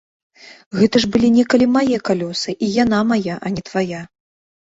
Гэта ж былі некалі мае калёсы і яна мая, а не твая!